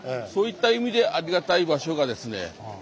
そういった意味でありがたい場所がですね